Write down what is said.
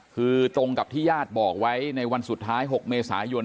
คือตรงกับที่ญาติบอกไว้ในวันสุดท้าย๖เมษายน